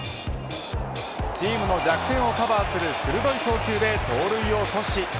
チームの弱点をカバーする鋭い投球で盗塁を阻止。